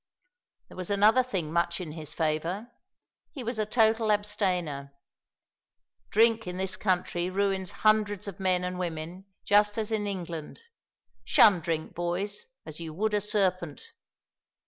There was another thing much in his favour, he was a total abstainer. Drink in this country ruins hundreds of men and women, just as in England. Shun drink, boys, as you would a serpent."